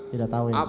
tidak tau ya muridnya